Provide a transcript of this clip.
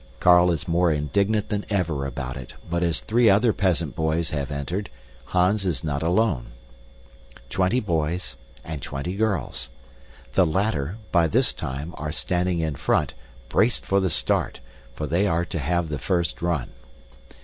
Carl is more indignant than ever about it, but as three other peasant boys have entered, Hans is not alone. Twenty boys and twenty girls. The latter, by this time, are standing in front, braced for the start, for they are to have the first "run."